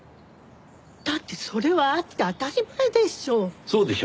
だってそれはあって当たり前でしょう。